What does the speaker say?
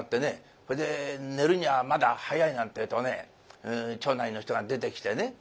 それで寝るにはまだ早いなんてえとね町内の人が出てきてね